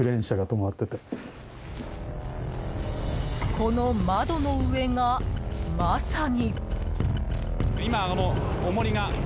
この窓の上が、まさに。